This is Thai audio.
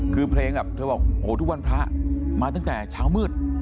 คือเพลงแบบเธอบอกโหทุกวันพระมาตั้งแต่เช้ามืด